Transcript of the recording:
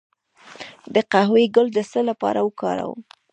د قهوې ګل د څه لپاره وکاروم؟